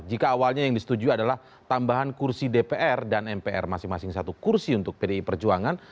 jika awalnya yang disetujui adalah tambahan kursi dpr dan mpr masing masing satu kursi untuk pdi perjuangan